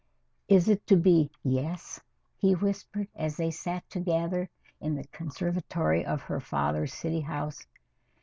"Is it to be yes?" he whispered, as they sat together in the conservatory of her father's city house.